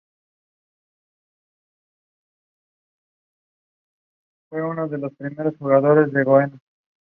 Fue uno de los primeros jugadores del Genoa.